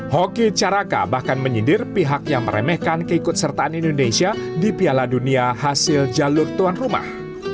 hoki caraka bahkan menyindir pihak yang meremehkan keikutsertaan indonesia di piala dunia hasil jalur tuan rumah